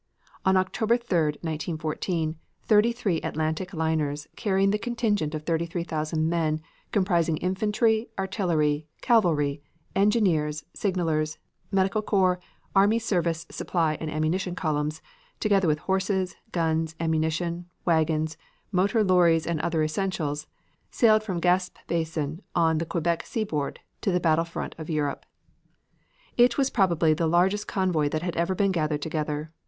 On October 3, 1914, thirty three Atlantic liners, carrying the contingent of 33,000 men, comprising infantry, artillery, cavalry, engineers, signalers, medical corps, army service supply and ammunition columns, together with horses, guns, ammunition, wagons, motor lorries and other essentials, sailed from Gaspe basin on the Quebec seaboard to the battle field of Europe. It was probably the largest convoy that had ever been gathered together.